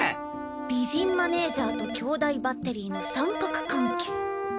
美人マネージャーと兄弟バッテリーの三角関係。